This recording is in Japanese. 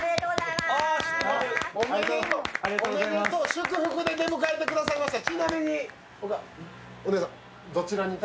祝福で出迎えてくださいました。